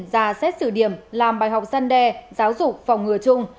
ra xét xử điểm làm bài học dân đe giáo dục phòng ngừa chung